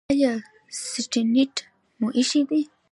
ایا سټنټ مو ایښی دی؟